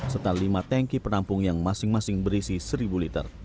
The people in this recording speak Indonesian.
serta lima tanki penampung yang masing masing berisi seribu liter